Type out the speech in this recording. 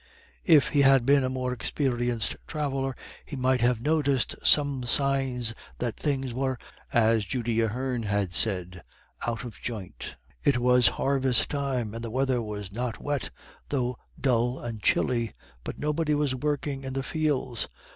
If he had been a more experienced traveller, he might have noticed some signs that things were, as Judy Ahern had said, out of joint. It was harvest time, and the weather was not wet, though dull and chilly, but nobody was working in the fields.